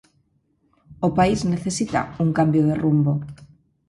O país necesita un cambio de rumbo.